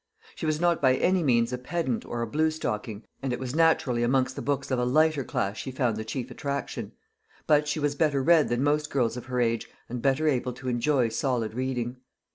She was not by any means a pedant or a blue stocking, and it was naturally amongst the books of a lighter class she found the chief attraction; but she was better read than most girls of her age, and better able to enjoy solid reading.